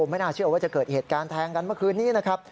ไม่น่าเชื่อว่าจะเกิดเหตุการณ์แทงกันเมื่อคืนนี้นะครับ